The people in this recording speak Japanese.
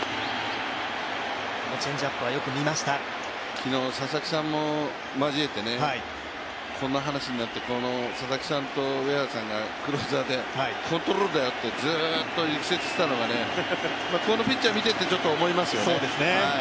昨日、佐々木さんも交えてこんな話になって佐々木さんと上原さんがクローザーでコントロールだよってずーっと力説してたのが、このピッチャーを見ていて思いますよね。